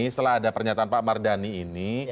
setelah ada pernyataan pak mardani ini